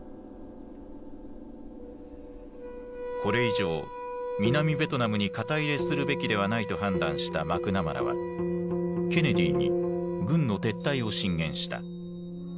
これ以上南ベトナムに肩入れするべきではないと判断したマクナマラはケネディに軍の撤退を進言した。